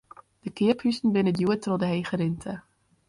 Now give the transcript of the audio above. De keaphuzen binne djoer troch de hege rinte.